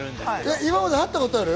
今までやったことある？